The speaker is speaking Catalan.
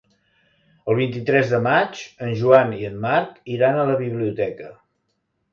El vint-i-tres de maig en Joan i en Marc iran a la biblioteca.